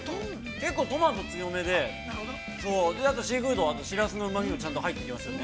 ◆結構トマトが強めでシーフード、シラスのうまみもちゃんと入ってきますよね。